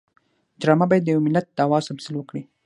ډرامه باید د یو ملت د آواز تمثیل وکړي